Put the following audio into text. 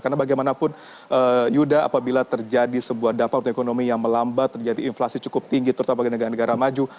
karena bagaimanapun yudha apabila terjadi sebuah dampak untuk ekonomi yang melambat terjadi inflasi cukup tinggi terutama bagi negara negara maju